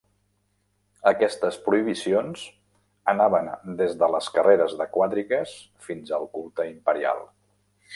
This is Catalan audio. Aquestes prohibicions anaven des de les carreres de quadrigues fins al culte imperial.